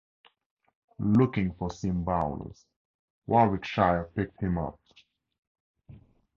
Looking for seam bowlers, Warwickshire picked him up.